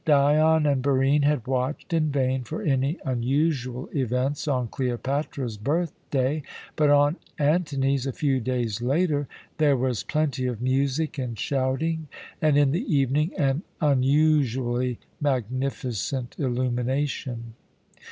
Dion and Barine had watched in vain for any unusual events on Cleopatra's birth day, but on Antony's, a few days later, there was plenty of music and shouting, and in the evening an unusually magnificent illumination.